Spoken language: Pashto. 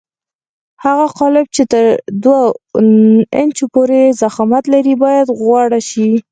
هغه قالب چې تر دوه انچو پورې ضخامت لري باید غوړ شي.